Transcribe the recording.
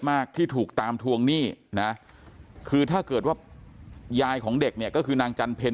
มากที่ถูกตามทวงหนี้คือถ้าเกิดว่ายายของเด็กคือนางจันทร์